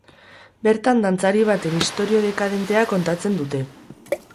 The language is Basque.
Bertan, dantzari baten istorio dekadentea kontatzen dute.